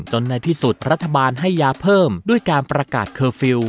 ในที่สุดรัฐบาลให้ยาเพิ่มด้วยการประกาศเคอร์ฟิลล